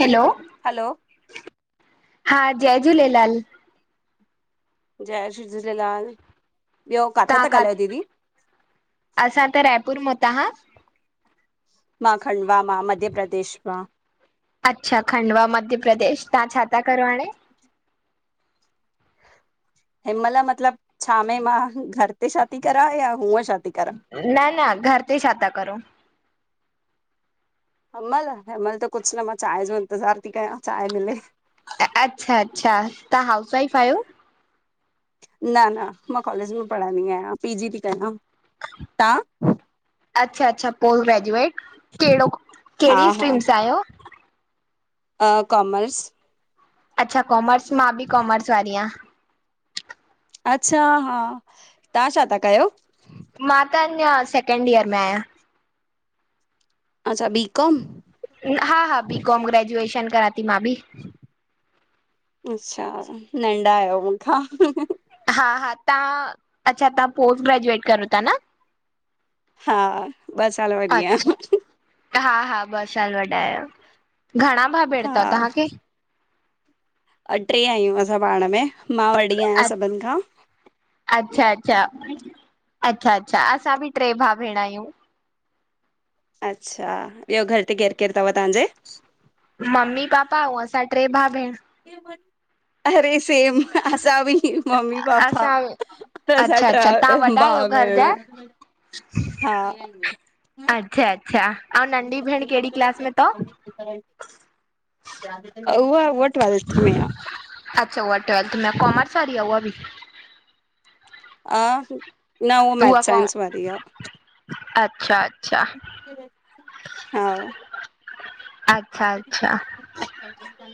Hello! Hello! हा जय झूलेलाल! जय झ झूलेलाल! ॿियो काथां तव्हां था ॻाल्हायो काथ? दीदी? असां त रायपुर मां, तव्हां? मां खंडवा मां मध्य प्रदेश मां। अच्छा खंडवा, मध्य प्रदेश तव्हां छा ता करो हाणे? हिमल मतलब छामें मां घर ते छाती करयां या हूअं छा ती करां? न न घर ते छा था करो? हेमेल हेमेल त कुछ न मां चांय जो इंतज़ार थी कयां चांय मिले। अच्छा अच्छा तहां हाउस वाइफ आहियो? न न मां कॉलेज में पढंदी आहियां, पी-जी थी कयां। तां अच्छा अच्छा पोस्ट ग्रेजुएट, केॾो हा कहिड़ी स्ट्रीम सां आयो? हा कॉमर्स अच्छा कॉमर्स, मां भी कॉमर्स वारी आयां। अच्छा हा तां छा था कयो? मां त अञा सैकेंड इयर में आहियां। अच्छा बी-कॉम हा हा बी-कॉम ग्रेजुएशन करा थी मां भी। अच्छा नंढा आयो मुखां। हा हा तां, अच्छा तां पोस्ट ग्रेजुएट करो था न? हा ॿ साल वॾी अच्छा आयां। अच्छा, हा हा ॿ साल वॾा आहियो। घणा भा भेण थव हा। तां खे? अ टे आहियूं असां पाण में, मां वॾी आहियां सभिन खां। अच्छा अच्छा, अच्छा अच्छा, असां भी टे भा भेण आहियूं। अच्छा, ॿियो घर ते केर केर थव तांजे? मम्मी पापा अउं असां टे भा भेण। अरे सेम असां भी मम्मी पापा असां त असा अच्छा अच्छा तव्हां टे वॾा भा आहियो घर भेण। जा? हा! अच्छा अच्छा, अउं नंढी भेण केड़ी क्लास में थव? उहा, उहा ट्वेल्थ में आ। अच्छा उहा ट्वैेल्थ में आ। कॉमर्स वारी आ उहा भी? आ न हू मैथ साइंस वारी आ। अच्छा-अच्छा हा अ अच्छा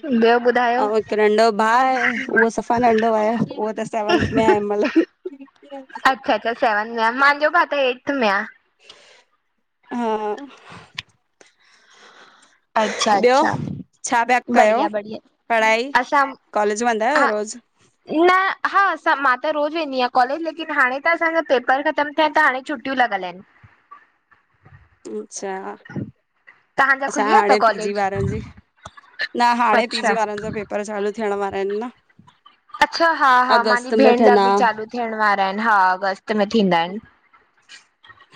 ॿियो ॿु अऊं हिक नंढो भा आए, उहो सफ़ा नंढो आए, उहो त सेवंथ में आए मलई। अच्छा-अच्छा सेवंथ में आ, मांजो भा त ऐर्थ में आ। हा अच्छा ॿियो अच्छा छा पिया कयो बढ़िया बढ़िया पढ़ाई, असां कॉलेज वेंदा हा आयो रोज़? न न हा मां त रोज़ वेंदी आयां कॉलेज लेकिन हाणे त असांजा पेपर खतम हिते त हाणे छुटियूं लगल आहिन अच्छा तव्हांजा असां खुली विया तव हाणे पीजी कॉलेज? वारन जी न हाणे अच्छा पीजी वारन जो पेप पर चालू थियण वारा आहिन न अच्छा हा हा मुंहिंजी अगस्त में भेण जा थींदा भी चालू थियण वारा आहिन। हा अगस्त में थींदा आहिन।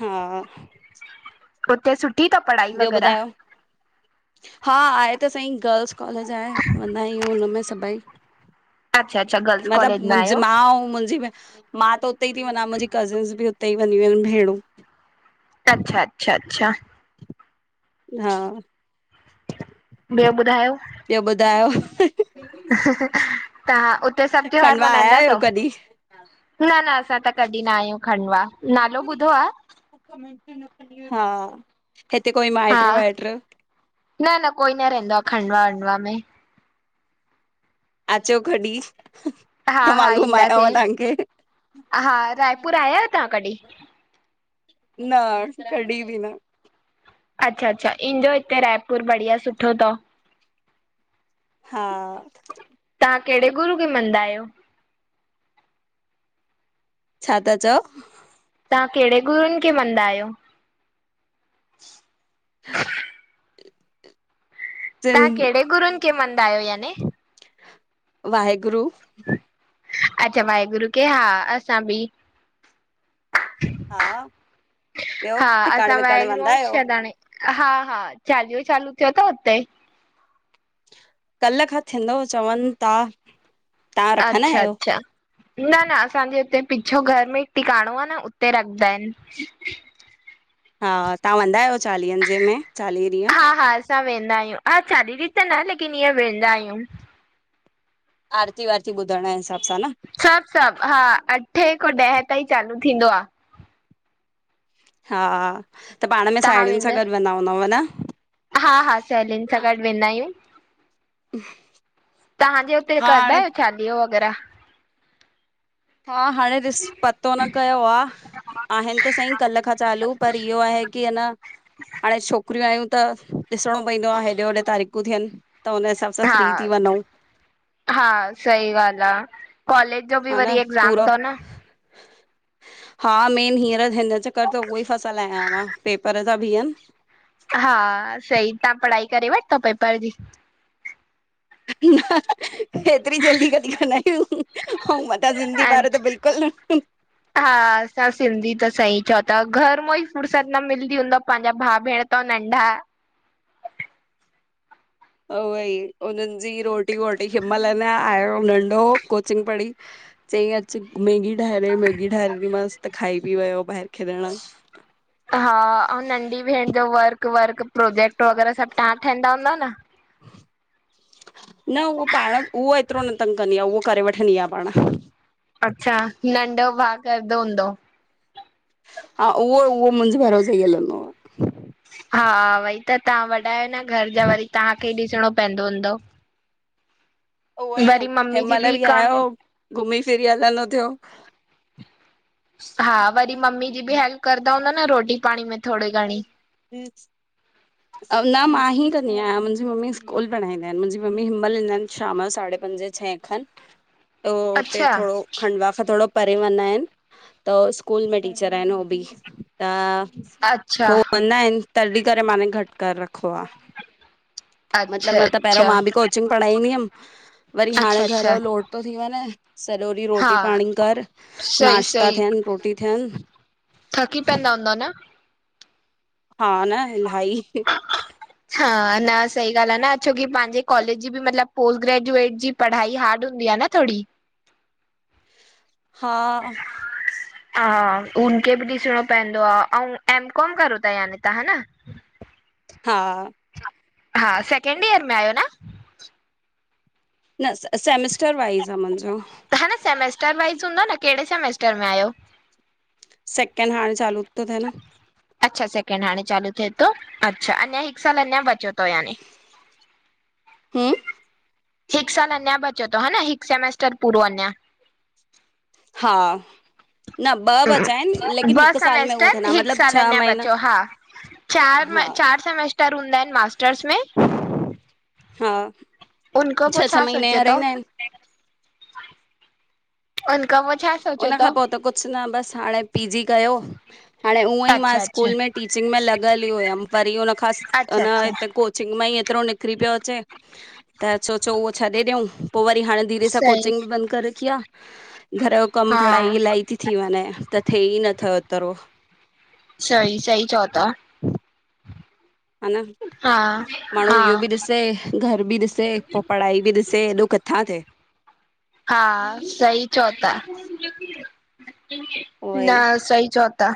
हा उते सुठ ॿियो ॿुधायो हा आहे त सईं, गर्ल्स कॉलेज आहे, वेंदा आहियूं हुनमें सभई अच्छा अच्छा गर्ल्स मतलब कॉलेज में मुंहिंजी आहियो मा अऊं मुंहिंजी भे मां त उते ई ती वना मुंहिंजी कजिन्स बि उते ई वेंदियूं आहिनि भेणूं अच्छा अच्छा अच्छा हां ॿियो ॿुधायो ॿियो ॿुधायो ह ह तव्हां उते सभु त्योहार खंडवा आया मनाईंदा आहियो तव? कॾहिं न न असां त कॾी न आहियूं खंडवा नालो ॿुधो आ हा हिते कोई हा माइट्र वाइट्र न न कोई न रेंदो आ खंडवा वंडवा में अचो कॾहिं त हा मां हा घुमायांव ईंदासीं तव्हांखे हा रायपुर आया आहियो तव्हां कॾहिं? न कडी बि न अच्छा अच्छा इंजो हिते रायपुर बढ़िया सुठो तव। हा तां कहिड़े गुरू खे मंदा आहियो छा ता चओ? तां कहिड़े गुरुनि खे मंदा आहियो? सिं तां कहिड़े गुरूनि खे मंदा आहियो याने? वाहेगुरु अच्छा वाहेगुरु खे हा असां बि। हा ॿियो हा टिकाणे असां विकाणे वाहेगुरु वेंदा ऐं आहियो? शदाणी। हा हा चालियो चालू थियो तव उते? कल्ह खां थींदो चवनि ता अच्छा अच्छा न न असांजे हुते पिछो घर में ई टिकाणो आ न उते रखदा आहिनि। हा तव्हां वंदा आहियो चालीहनि जे में चालीह ॾींहं? हा हा असां वेंदा आहियूं हा चालीह ॾींहं त न लेकिन ईअं वेंदा आहियूं। आरती वाराती ॿुधण जे हिसाब सां न? सभु सभु हा अठे खों ॾहें ताईं चालू थींदो आ। हा त पाण में साहेड़ियुनि सां गॾु वेंदा हूंदव न? हा हा सहेलियुनि सां गॾु वेंदा आहियूं। तहांजे हुते हा करदा हाणे आहियो चालीहो वगैरह? हा हाणे ॾिस पतो न कयो आ आहिनि त सईं कल्ह खां चालू पर इहो आहे की अ न हाणे छोकिरियूं आहियूं त ॾिसणो पवंदो आ हेॾे होॾे तारीखूं थियनि त हुन हिसाब सां हा फ्री थी वञूं हा सही ॻाल्हि आ कॉलेज जो बि हा न वरी एक्ज़ाम पूरो तव न? हा मेन हींअर हिन चकर त उहो ई फसल आहियां मां पेपर ता बीहनि हा सही तां पढ़ाई करे वठितव पेपर जी? न हेतिरी जल्दी कॾी कंदा आहियूं। औं वॾा सिंधी ॿार त बिल्कुल न। हा असां सिंधी त सही चओ ता घर मों ई फुरसत न मिलदी हूंदव पंहिंजा भाउ भेण तउ नंढा उहो ई उननि जी रोटी वोटी हिन मल न आयो नंढो कोचिंग पढ़ी चईं अचु मैगी ठाहेे ॾे मैगी ठाहे ॾिनी मांस त खाई बि वयो ॿाहिर खेॾण। हा ऐं नंढी भेण जो वर्क, वर्क प्रोजेक्ट वग़ैरह सभ तव्हां ठाहंदा हूंदव न? न उहो पाण उहो एतिरो न तंग कंदी आ, उहो करे वठंदी आहे पाण। अच्छा नंढो भा करदो हूंदो? हा उहो उहो मुंजे भरोसो ही हलंदो। हा, वई त तव्हां वॾायो न घर जा वरी तव्हांखे खे ही ॾिसणो पईंदो हूंदो। उहो ही न वरी मम्मी जी हिमल बि कम आयो घुमी फिरी हलंदो थियो। हा वरी मम्मी जी बि हेल्प कंदा हूंदा न रोटी पाणी में थोरी घणी? [inaudible] न मां ही कंॾी आहियां मुंहिंजी मम्मी स्कूल पढ़ाईंदा आहिनि मुंहिंजी मम्मी हिमल ईंदा आहिनि शाम जो साढे पंजे छहे खन त उते अच्छा। थोरो खंडवा खां थोरो परे वेञा आहिनि त स्कूल में टीचर आहिनि उहो बि। त अच्छा हो कंदा आहिनि तॾहिं करे माने घटि करे रखो आ। मतलब अच्छा न त पहिरियों अच्छा मां बि कोचिंग पढ़ाईंदी हुयमि, वरी हाणे अच्छा घर अच्छा जो लोड थी वञे। सॼो ॾींहुं हा। रोटी पाणी कर सही नाश्ता सही थियनि रोटी थियनि थकी पेंदा हूंदव न? हा न, इलाही हा न सही ॻाल्हि आ न छोकी पंहिंजे कॉलेज जी बि मतलब पोल ग्रेजुएट जी पढ़ाई हार्ड हूंदी आ न थोड़ी हा हा उन खे बि ॾिसणो पईंदो आ। अउ, एम कॉम करो था यानी तव्हां हा न? हा हा, सैकेंड ईयर में आहियो न? न सेमिस्टर वाइज़ आ मुंजो हा न सेमेस्टर वाइज़ हूंदो न, कहिड़े सेमेस्टर में आहियो? सेकंड हाणे चालू तो थे न। अच्छा सैकेंड हाणे चालू थिए थो अच्छा! अञा हिक साल अञा बचियो तव याने। हम्म हिक साल अञा बचो तव हा न, हिक सेमेस्टर पूरो अञां। हा। न ॿ बचा आहिनि लेकिन ॿ हिक साल में उहो सेमेस्टर थींदा हिकु मतलब साल छह अञा महीना बचियो हा चार, हा चार सेमिस्टर हूंदा आहिनि मास्टर्स में? हा उन खा पो छह छह छा महीने सोचियो जा तौ? रहंदा आहिनि उन खा पो छा सोचियो उन खां तउ? पोइ त कुछ न बस हाणे पी, जी कयो। हाणे उअं ई मां अच्छा अच्छा स्कूल में टीचिंग में लॻियल ही हुयमि, वरी हुन खां अच्छा अच्छा इनमाई एतिरो निकिरी पियो अचे त सोचो उहो छॾे ॾियऊं पो वरी हाणे धीरे सां कोचिंग बि सही बंद करे रखी आ। घर जो कम हा पढ़ाई इलाही ती थी वञे त थेई नथो एतिरो। सई सई चओ ता। हा न हा माण्हूं हा इहो ॿि ॾिसे घर ॿि ॾिसे पो पढ़ाई ॿि ॾिसे, एॾो किथां थिए। हा सही चओ ता उहो ई न सही चओ ता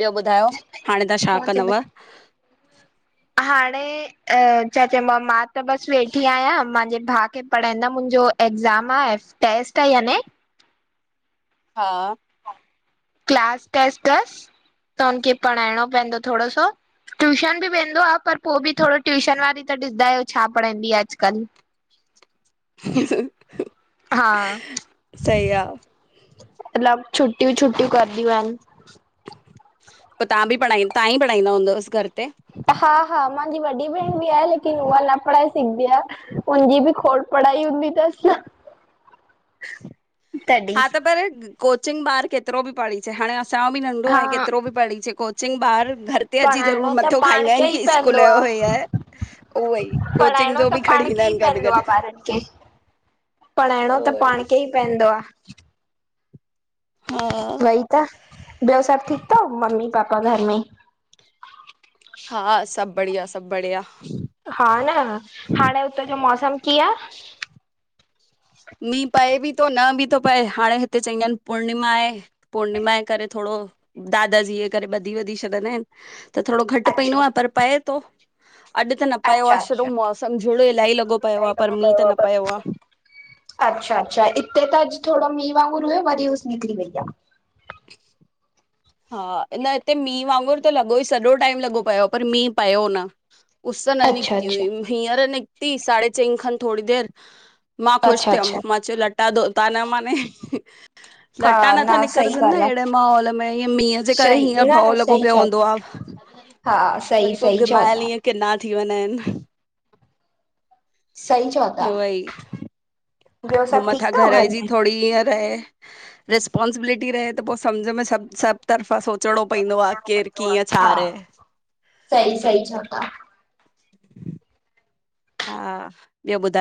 ॿियो ॿुधायो हांणें तहां छा कंदव? हांणें अ छा चयॿो आ मां त बसि वेठी आहियां मांजे भाउ खे पढ़ाईंदमि हुन्जो एक्ज़ाम आहे टेस्ट आ याने हा क्लास टेस्ट तसि त हुनिखे पढ़ाइणों पैंदो थोड़ो सो ट्यूशन ॿि वेंदो आ पर पो ॿि थोरो ट्यूशन वारी त ॾिस्दा आहियो छा पढ़ांइदी आ अॼुकल्ह खाली जवाब [inaudible] हा मतलब छुट्टीयूं छुट्टीयूं करदियूं आहनि। पो तहां ॿि पढ़ाईं, तहांई पढ़ाईंदा हुंदवस घर पे हा हा मांजी वॾी भेंण ॿि आहे लेकिन उहा न पढ़ाए सघदी आ उनजी ॿि खोड़ पढ़ाई हूंदी तस न खाली जवाब तॾहिं हा त पर कोचिंग ॿार केतिरो ॿि पढ़ी चे हांणें असांजो ॿि नंढो हा आहे केतिरो ॿि पढ़ी चे कोच चिंग बार घर हिते अची ज़रूर पढ़ाइणो त मथो पाण खाईंदा इन खे ई की स्कूल पवंदो जो हे आहे उहोई कोचिंग जो ॿि खणीं ईंदा आहिन पैंदो आ ॿारनि खे, पढ़ाइणों त पांण खे ई पैइंदो आ। हा वई त, ॿियो सभु ठीक तव मम्मी पापा घर में? हा सब बढ़िया सब बढ़िया हा न हांणें उतां जो मौसम कीअं आ? मींहु पए ॿि तो न ॿि तो पए हाणें हिते चईंदा हिनि पूर्णिमा हे पुर्णिमा जे करे थोरो दादाजीअ करे ॿधी वधी छॾंदा हिनि त थोड़ो घटि पैइन्दो अच्छा आ पर पए तो अॼु त न पयो आ अच्छा शुरू अच्छा मौसम मोसम झुड़ु इलाही लॻो पयो आ दफ़ो पर मींहुं पियो त आहे न पयो बस आ। अच्छा अच्छा इते त अॼु थोड़ो मींहं वांगुर हुयो वरी उस निकिरी वई आ। हा न हिते मींह वांगुर त लॻोई सॼो टाइम लॻो पयो पर मींहु पयो न। उस न आहे अच्छा निकिती अच्छा हुई हींअर निकिती साढ़े चईं खनि थोड़ी देरि मां ख़ुशि अच्छा थियमि अच्छा मां च्यो लटा धोता न माने हा लट्टा नथा न सही निकरिजनि न ॻाल्हि आहे अहिड़े माहौल में ईएं मींहं जे करे सही हींअ न भओ न लॻो सही पियो चओ हूंदो था आ हा सही वरी पो सही चओ घिमायल था इअं किन्ना थी वना हिनि सही चओ ता हो मथां घर जी थोरी ईअं रहे रिसपोंसिबिलिटी रहे त पो सम्झ में सभु सभु तर्फ़ां सोचणों पइन्दो आ हुजणो केरु पवंदो कीअं छा आहे हा रहे? सही सही चौ ता हा ॿियो ॿुधायो?